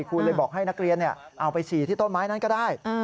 คุณเลยบอกให้นักเรียนเอาไปฉี่ที่ต้นไม้นั้นก็ได้